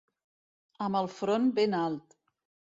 Amb el front ben alt.